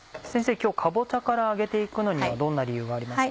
今日かぼちゃから揚げて行くのにはどんな理由がありますか？